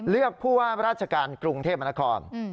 เลือกผู้ว่าราชการกรุงเทพมนาคม